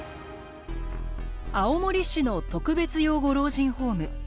青森市の特別養護老人ホーム。